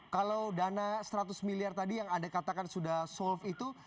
kalau dana seratus miliar tadi yang anda katakan sudah solve itu